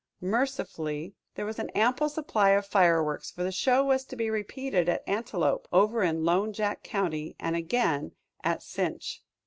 Mercifully, there was an ample supply of fireworks, for the show was to be repeated at Antelope, over in Lone Jack County, and again at Cinche.